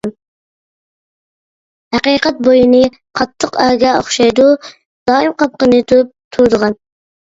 ھەقىقەت بوينى قاتتىق ئەرگە ئوخشايدۇ، دائىم قاپىقىنى تۈرۈپ تۇرىدىغان.